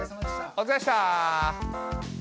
おつかれでした。